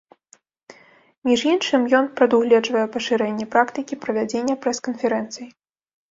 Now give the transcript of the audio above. Між іншым ён прадугледжвае пашырэнне практыкі правядзення прэс-канферэнцый.